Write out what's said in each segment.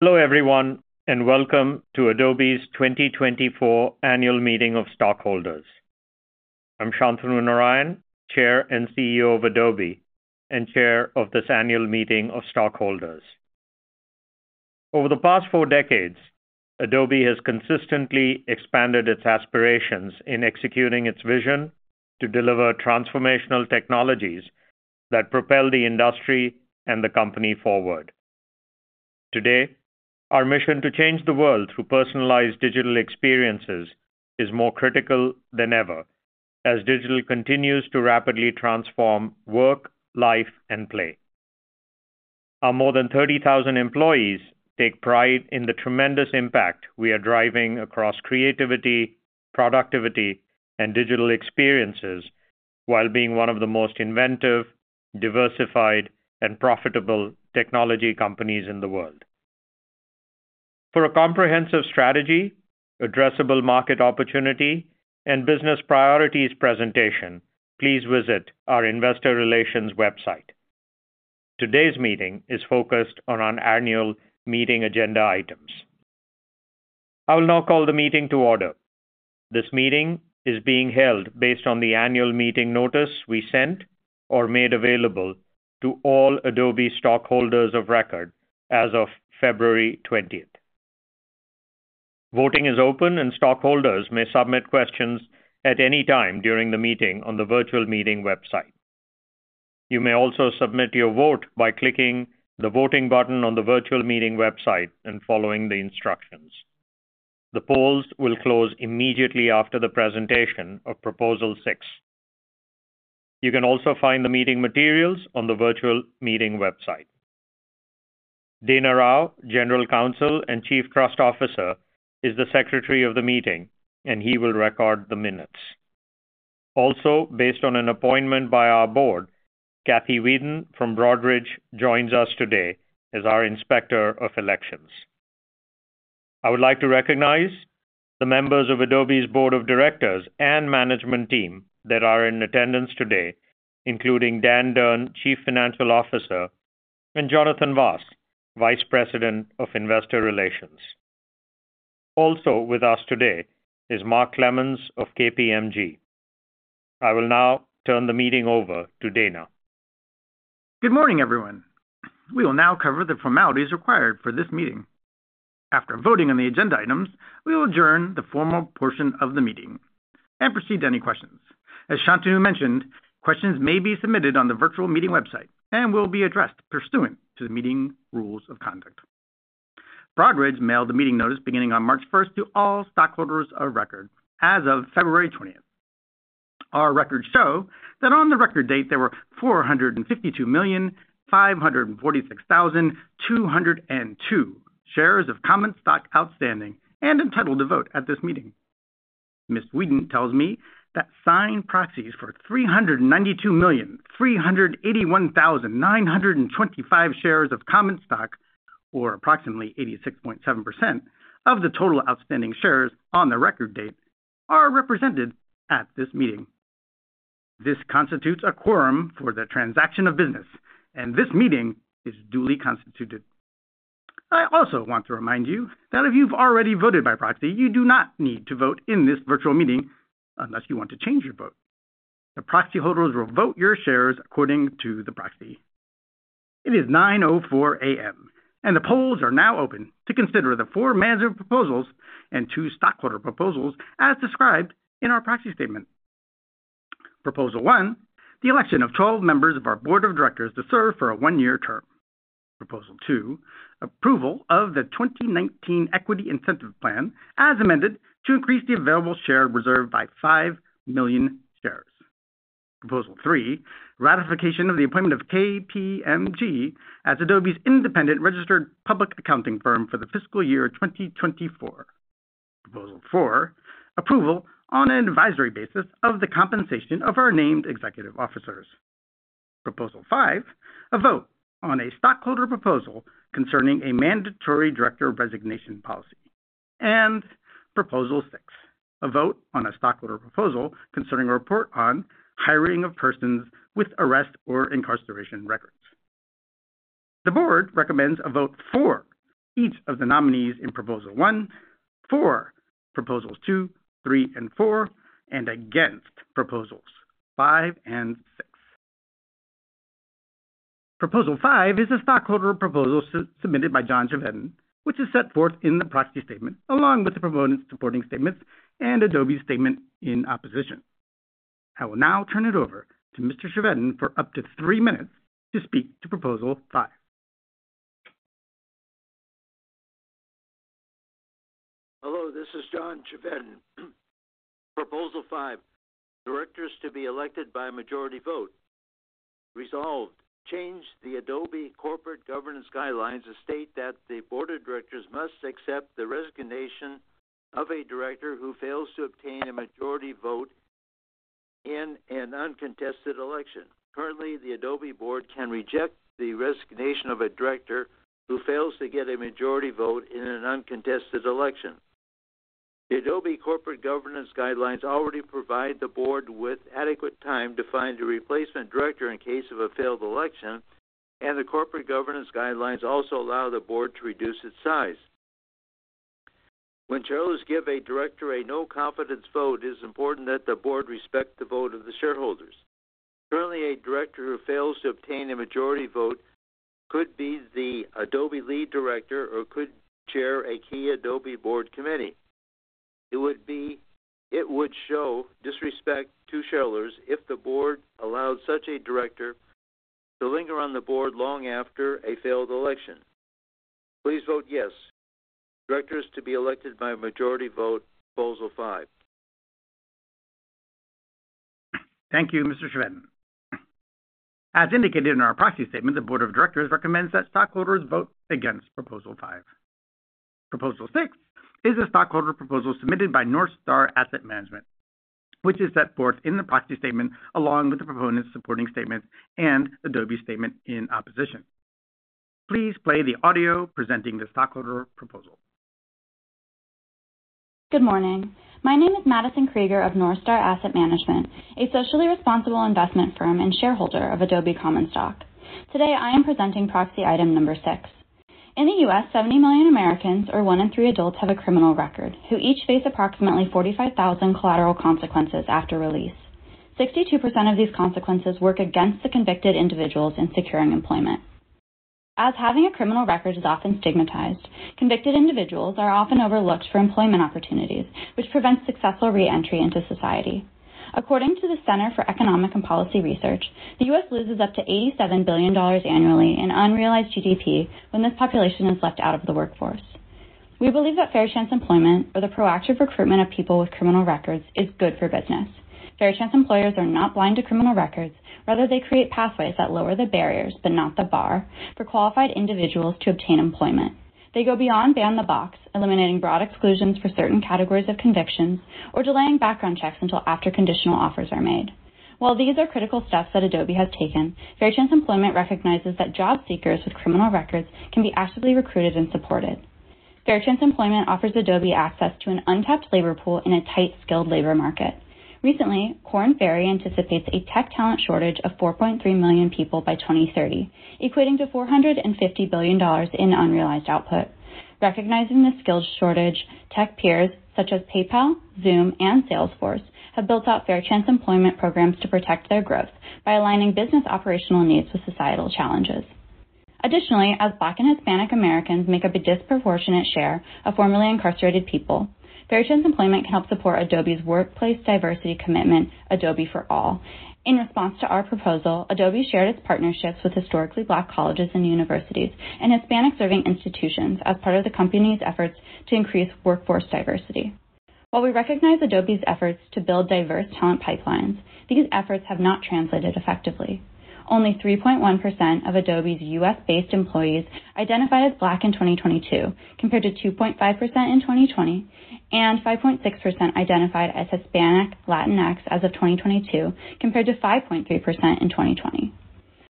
Hello everyone, and welcome to Adobe's 2024 Annual Meeting of Stockholders. I'm Shantanu Narayen, Chair and CEO of Adobe, and Chair of this annual meeting of stockholders. Over the past four decades, Adobe has consistently expanded its aspirations in executing its vision to deliver transformational technologies that propel the industry and the company forward. Today, our mission to change the world through personalized digital experiences is more critical than ever as digital continues to rapidly transform work, life, and play. Our more than 30,000 employees take pride in the tremendous impact we are driving across creativity, productivity, and digital experiences while being one of the most inventive, diversified, and profitable technology companies in the world. For a comprehensive strategy, addressable market opportunity, and business priorities presentation, please visit our Investor Relations website. Today's meeting is focused on our annual meeting agenda items. I will now call the meeting to order. This meeting is being held based on the annual meeting notice we sent or made available to all Adobe stockholders of record as of February 20. Voting is open, and stockholders may submit questions at any time during the meeting on the virtual meeting website. You may also submit your vote by clicking the Voting button on the virtual meeting website and following the instructions. The polls will close immediately after the presentation of Proposal 6. You can also find the meeting materials on the virtual meeting website. Dana Rao, General Counsel and Chief Trust Officer, is the Secretary of the meeting, and he will record the minutes. Also, based on an appointment by our board, Cathy Wheaton from Broadridge joins us today as our Inspector of Elections. I would like to recognize the members of Adobe's Board of Directors and Management Team that are in attendance today, including Dan Durn, Chief Financial Officer, and Jonathan Vaas, Vice President of Investor Relations. Also with us today is Mark Lemos of KPMG. I will now turn the meeting over to Dana. Good morning everyone. We will now cover the formalities required for this meeting. After voting on the agenda items, we will adjourn the formal portion of the meeting and proceed to any questions. As Shantanu mentioned, questions may be submitted on the virtual meeting website and will be addressed pursuant to the meeting rules of conduct. Broadridge mailed the meeting notice beginning on March 1 to all stockholders of record as of February 20. Our records show that on the record date there were 452,546,202 shares of common stock outstanding and entitled to vote at this meeting. Ms. Wheaton tells me that signed proxies for 392,381,925 shares of common stock, or approximately 86.7% of the total outstanding shares on the record date, are represented at this meeting. This constitutes a quorum for the transaction of business, and this meeting is duly constituted. I also want to remind you that if you've already voted by proxy, you do not need to vote in this virtual meeting unless you want to change your vote. The proxy holders will vote your shares according to the proxy. It is 9:04 A.M., and the polls are now open to consider the four management proposals and two stockholder proposals as described in our proxy statement. Proposal 1: the election of 12 members of our Board of Directors to serve for a one-year term. Proposal 2: approval of the 2019 Equity Incentive Plan as amended to increase the available shares reserved by 5 million shares. Proposal 3: ratification of the appointment of KPMG as Adobe's independent registered public accounting firm for the fiscal year 2024. Proposal 4: approval on an advisory basis of the compensation of our named executive officers. Proposal 5: a vote on a stockholder proposal concerning a mandatory director resignation policy. And Proposal 6: a vote on a stockholder proposal concerning a report on hiring of persons with arrest or incarceration records. The board recommends a vote for each of the nominees in Proposal 1, for Proposals 2, 3, and 4, and against Proposals 5 and 6. Proposal 5 is a stockholder proposal submitted by John Chevedden, which is set forth in the proxy statement along with the proponent's supporting statements and Adobe's statement in opposition. I will now turn it over to Mr. Chevedden for up to three minutes to speak to Proposal 5. Hello, this is John Chevedden. Proposal 5: directors to be elected by majority vote. Resolved: change the Adobe Corporate Governance Guidelines to state that the Board of Directors must accept the resignation of a director who fails to obtain a majority vote in an uncontested election. Currently, the Adobe board can reject the resignation of a director who fails to get a majority vote in an uncontested election. The Adobe Corporate Governance Guidelines already provide the board with adequate time to find a replacement director in case of a failed election, and the Corporate Governance Guidelines also allow the board to reduce its size. When [chairlets] give a director a no-confidence vote, it is important that the board respect the vote of the shareholders. Currently, a director who fails to obtain a majority vote could be the Adobe lead director or could chair a key Adobe board committee. It would show disrespect to shareholders if the board allowed such a director to linger on the board long after a failed election. Please vote yes: directors to be elected by majority vote, Proposal 5. Thank you, Mr. Chevedden. As indicated in our proxy statement, the Board of Directors recommends that stockholders vote against Proposal 5. Proposal 6 is a stockholder proposal submitted by NorthStar Asset Management, which is set forth in the proxy statement along with the proponent's supporting statements and Adobe's statement in opposition. Please play the audio presenting the stockholder proposal. Good morning. My name is Madison Krieger of NorthStar Asset Management, a socially responsible investment firm and shareholder of Adobe Common Stock. Today I am presenting proxy item number 6. In the U.S., 70 million Americans, or one in three adults, have a criminal record, who each face approximately 45,000 collateral consequences after release. 62% of these consequences work against the convicted individuals in securing employment. As having a criminal record is often stigmatized, convicted individuals are often overlooked for employment opportunities, which prevents successful re-entry into society. According to the Center for Economic and Policy Research, the U.S. loses up to $87 billion annually in unrealized GDP when this population is left out of the workforce. We believe that fair chance employment, or the proactive recruitment of people with criminal records, is good for business. Fair chance employers are not blind to criminal records. Rather, they create pathways that lower the barriers, but not the bar, for qualified individuals to obtain employment. They go beyond "ban the box," eliminating broad exclusions for certain categories of convictions, or delaying background checks until after conditional offers are made. While these are critical steps that Adobe has taken, fair chance employment recognizes that job seekers with criminal records can be actively recruited and supported. Fair chance employment offers Adobe access to an untapped labor pool in a tight-skilled labor market. Recently, Korn Ferry anticipates a tech talent shortage of 4.3 million people by 2030, equating to $450 billion in unrealized output. Recognizing this skills shortage, tech peers such as PayPal, Zoom, and Salesforce have built out fair chance employment programs to protect their growth by aligning business operational needs with societal challenges. Additionally, as Black and Hispanic Americans make up a disproportionate share of formerly incarcerated people, fair chance employment can help support Adobe's workplace diversity commitment, Adobe for All. In response to our proposal, Adobe shared its partnerships with historically Black colleges and universities and Hispanic-serving institutions as part of the company's efforts to increase workforce diversity. While we recognize Adobe's efforts to build diverse talent pipelines, these efforts have not translated effectively. Only 3.1% of Adobe's U.S.-based employees identified as Black in 2022, compared to 2.5% in 2020, and 5.6% identified as Hispanic Latinx as of 2022, compared to 5.3% in 2020.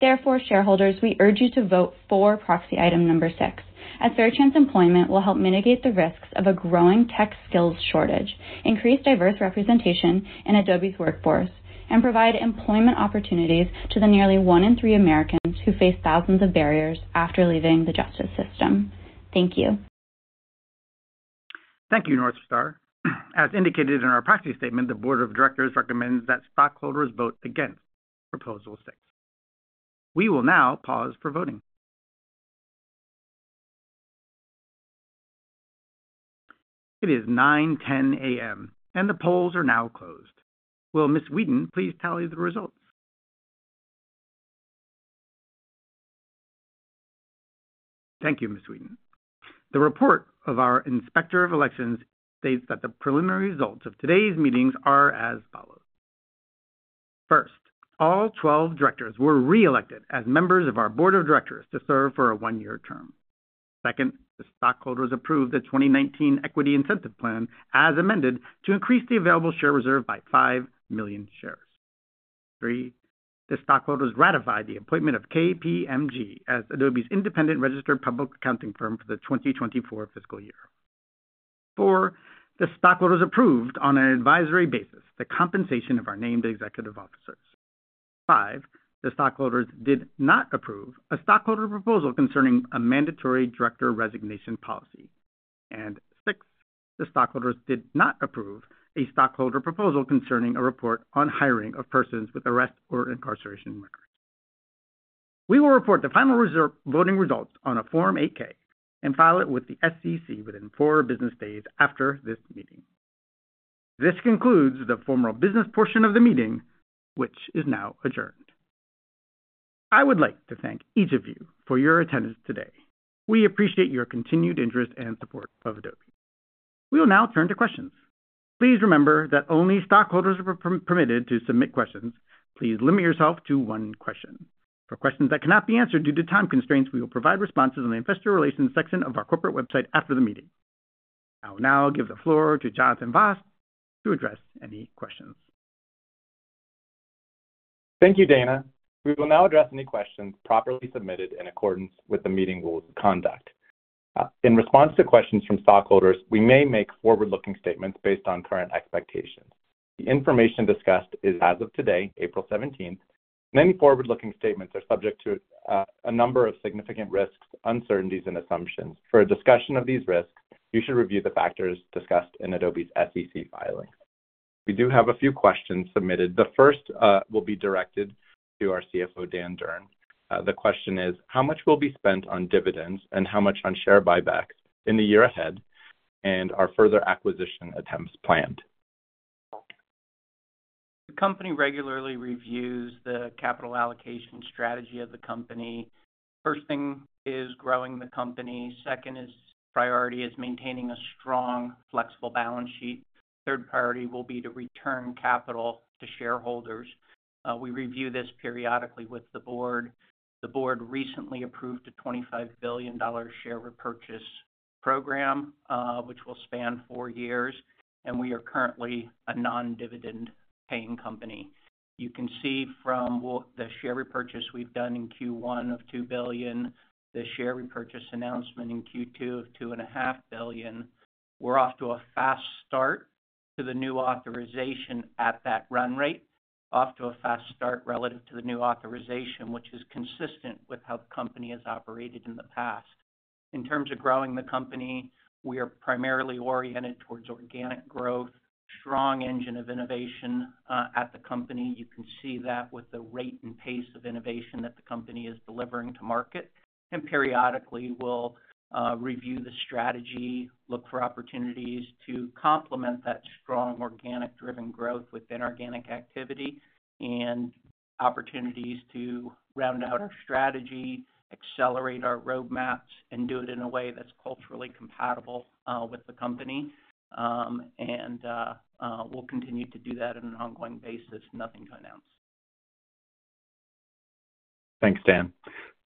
Therefore, shareholders, we urge you to vote for proxy item number 6, as fair chance employment will help mitigate the risks of a growing tech skills shortage, increase diverse representation in Adobe's workforce, and provide employment opportunities to the nearly one in three Americans who face thousands of barriers after leaving the justice system. Thank you. Thank you, NorthStar. As indicated in our proxy statement, the Board of Directors recommends that stockholders vote against Proposal 6. We will now pause for voting. It is 9:10 A.M., and the polls are now closed. Will Ms. Wheaton please tally the results? Thank you, Ms. Wheaton. The report of our Inspector of Elections states that the preliminary results of today's meetings are as follows. First, all 12 directors were re-elected as members of our Board of Directors to serve for a one-year term. Second, the stockholders approved the 2019 Equity Incentive Plan as amended to increase the available share reserve by 5 million shares. Three, the stockholders ratified the appointment of KPMG as Adobe's independent registered public accounting firm for the 2024 fiscal year. Four, the stockholders approved, on an advisory basis, the compensation of our named executive officers. 5, the stockholders did not approve a stockholder proposal concerning a mandatory director resignation policy. Six, the stockholders did not approve a stockholder proposal concerning a report on hiring of persons with arrest or incarceration records. We will report the final voting results on a Form 8-K and file it with the SEC within 4 business days after this meeting. This concludes the formal business portion of the meeting, which is now adjourned. I would like to thank each of you for your attendance today. We appreciate your continued interest and support of Adobe. We will now turn to questions. Please remember that only stockholders are permitted to submit questions. Please limit yourself to one question. For questions that cannot be answered due to time constraints, we will provide responses in the Investor Relations section of our corporate website after the meeting. I will now give the floor to Jonathan Vaas to address any questions. Thank you, Dana. We will now address any questions properly submitted in accordance with the meeting rules of conduct. In response to questions from stockholders, we may make forward-looking statements based on current expectations. The information discussed is as of today, April 17, and any forward-looking statements are subject to a number of significant risks, uncertainties, and assumptions. For a discussion of these risks, you should review the factors discussed in Adobe's SEC filing. We do have a few questions submitted. The first will be directed to our CFO, Dan Durn. The question is, how much will be spent on dividends and how much on share buybacks in the year ahead, and are further acquisition attempts planned? The company regularly reviews the capital allocation strategy of the company. First thing is growing the company. Second priority is maintaining a strong, flexible balance sheet. Third priority will be to return capital to shareholders. We review this periodically with the board. The board recently approved a $25 billion share repurchase program, which will span four years, and we are currently a non-dividend-paying company. You can see from the share repurchase we've done in Q1 of $2 billion, the share repurchase announcement in Q2 of $2.5 billion, we're off to a fast start to the new authorization at that run rate, off to a fast start relative to the new authorization, which is consistent with how the company has operated in the past. In terms of growing the company, we are primarily oriented towards organic growth, strong engine of innovation at the company. You can see that with the rate and pace of innovation that the company is delivering to market, and periodically we'll review the strategy, look for opportunities to complement that strong organic-driven growth with inorganic activity, and opportunities to round out our strategy, accelerate our roadmaps, and do it in a way that's culturally compatible with the company. We'll continue to do that on an ongoing basis. Nothing to announce. Thanks, Dan.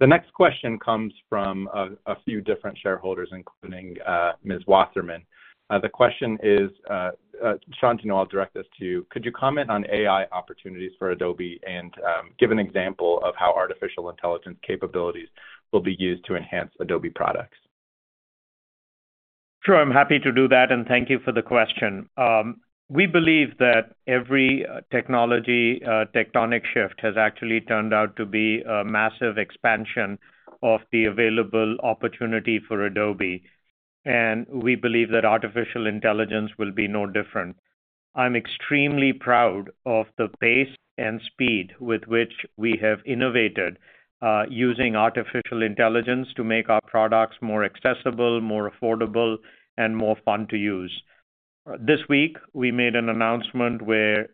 The next question comes from a few different shareholders, including Ms. Wasserman. The question is, Shantanu, I'll direct this to you. Could you comment on AI opportunities for Adobe and give an example of how artificial intelligence capabilities will be used to enhance Adobe products? Sure. I'm happy to do that, and thank you for the question. We believe that every technology tectonic shift has actually turned out to be a massive expansion of the available opportunity for Adobe, and we believe that artificial intelligence will be no different. I'm extremely proud of the pace and speed with which we have innovated using artificial intelligence to make our products more accessible, more affordable, and more fun to use. This week, we made an announcement where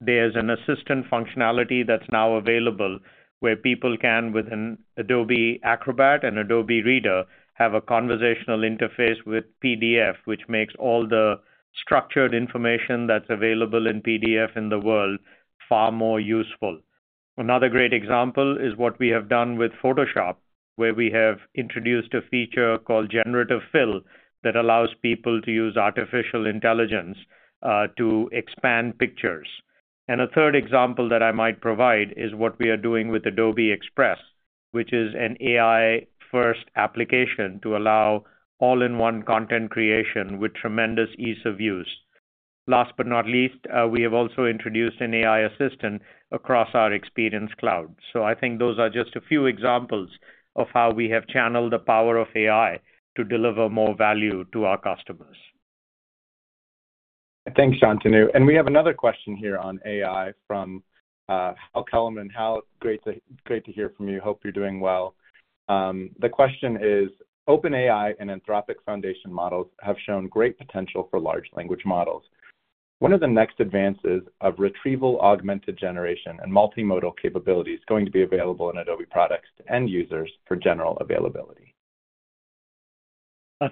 there's an assistant functionality that's now available, where people can, with an Adobe Acrobat and Adobe Reader, have a conversational interface with PDF, which makes all the structured information that's available in PDF in the world far more useful. Another great example is what we have done with Photoshop, where we have introduced a feature called Generative Fill that allows people to use artificial intelligence to expand pictures. A third example that I might provide is what we are doing with Adobe Express, which is an AI-first application to allow all-in-one content creation with tremendous ease of use. Last but not least, we have also introduced an AI assistant across our Experience Cloud. I think those are just a few examples of how we have channeled the power of AI to deliver more value to our customers. Thanks, Shantanu. And we have another question here on AI from Hal Kellman. Hal, great to hear from you. Hope you're doing well. The question is, OpenAI and Anthropic foundation models have shown great potential for large language models. When are the next advances of retrieval-augmented generation and multimodal capabilities going to be available in Adobe products to end users for general availability?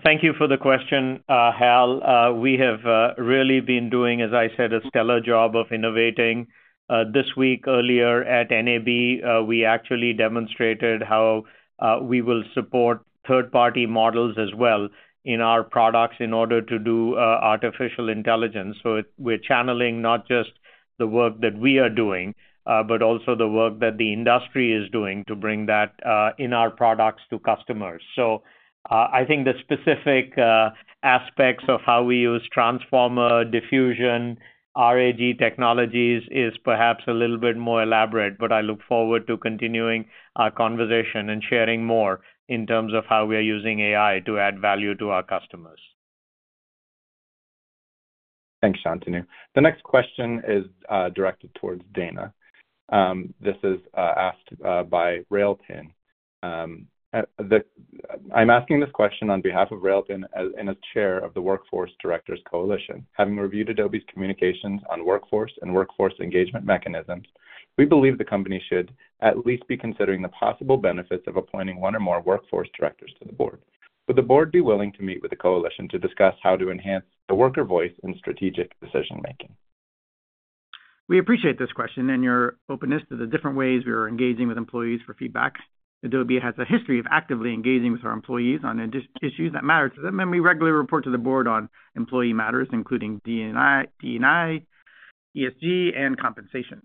Thank you for the question, Hal. We have really been doing, as I said, a stellar job of innovating. This week, earlier at NAB, we actually demonstrated how we will support third-party models as well in our products in order to do artificial intelligence. So we're channeling not just the work that we are doing, but also the work that the industry is doing to bring that in our products to customers. So I think the specific aspects of how we use Transformer, Diffusion, RAG technologies is perhaps a little bit more elaborate, but I look forward to continuing our conversation and sharing more in terms of how we are using AI to add value to our customers. Thanks, Shantanu Narayen. The next question is directed toward Dana. This is asked by Railpen. I'm asking this question on behalf of Railpen and as chair of the Workforce Directors Coalition. Having reviewed Adobe's communications on workforce and workforce engagement mechanisms, we believe the company should at least be considering the possible benefits of appointing one or more workforce directors to the board. Would the board be willing to meet with the coalition to discuss how to enhance the worker voice in strategic decision-making? We appreciate this question and your openness to the different ways we are engaging with employees for feedback. Adobe has a history of actively engaging with our employees on issues that matter to them, and we regularly report to the board on employee matters, including D&I, ESG, and compensation.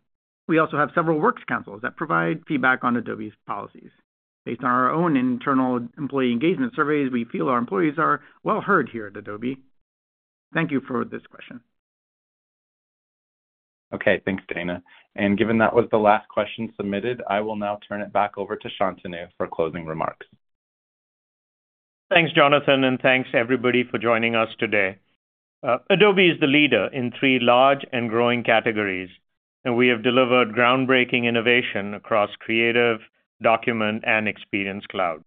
We also have several works councils that provide feedback on Adobe's policies. Based on our own internal employee engagement surveys, we feel our employees are well heard here at Adobe. Thank you for this question. Okay. Thanks, Dana. Given that was the last question submitted, I will now turn it back over to Shantanu Narayen for closing remarks. Thanks, Jonathan, and thanks everybody for joining us today. Adobe is the leader in three large and growing categories, and we have delivered groundbreaking innovation across Creative, Document, and Experience Cloud.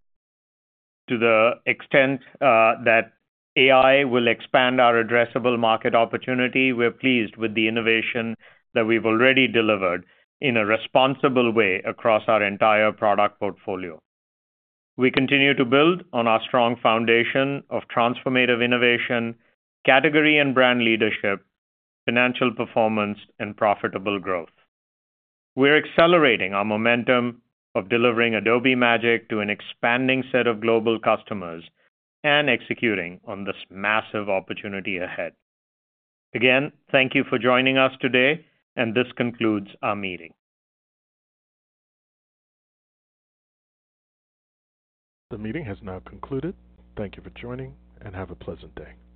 To the extent that AI will expand our addressable market opportunity, we're pleased with the innovation that we've already delivered in a responsible way across our entire product portfolio. We continue to build on our strong foundation of transformative innovation, category and brand leadership, financial performance, and profitable growth. We're accelerating our momentum of delivering Adobe Magic to an expanding set of global customers and executing on this massive opportunity ahead. Again, thank you for joining us today, and this concludes our meeting. The meeting has now concluded. Thank you for joining, and have a pleasant day.